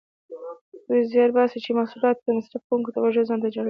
دوی زیار باسي چې محصولات یې د مصرف کوونکو توجه ځانته راجلب کړي.